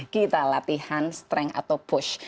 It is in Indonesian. kita latihan strength atau push